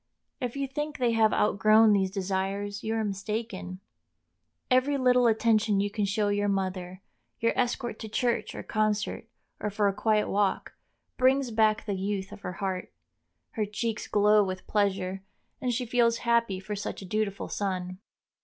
If you think they have outgrown these desires, you are mistaken. Every little attention you can show your mother—your escort to Church or concert, or for a quiet walk—brings back the youth of her heart; her cheeks glow with pleasure, and she feels happy for such a dutiful son.